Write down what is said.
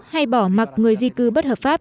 hay bỏ mặc người di cư bất hợp pháp